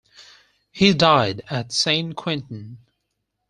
He died at Saint-Quentin.